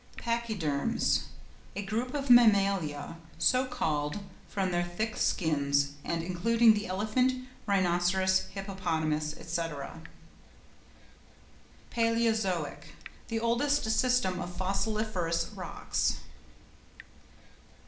PACHYDERMS.—A group of Mammalia, so called from their thick skins, and including the elephant, rhinoceros, hippopotamus, &c. PALÆOZOIC.—The oldest system of fossiliferous rocks.